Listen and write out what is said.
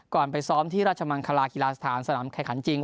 ไปซ้อมที่ราชมังคลากีฬาสถานสนามแข่งขันจริง